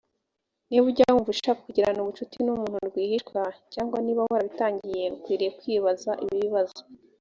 niba ujya wumva ushaka kugirana ubucuti n umuntu rwihishwa cyangwa niba warabitangiye ukwiriye kwibaza ibi bibazo